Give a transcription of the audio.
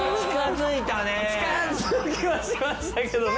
近づきはしましたけどね。